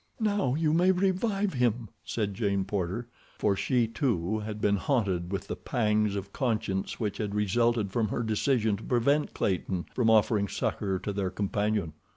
"Now you may revive him," said Jane Porter, for she, too, had been haunted with the pangs of conscience which had resulted from her decision to prevent Clayton from offering succor to their companion.